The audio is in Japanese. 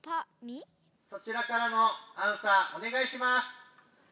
そちらからのアンサーおねがいします！